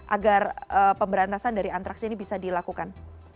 agar pemberantasan dari antraks ini bisa dilakukan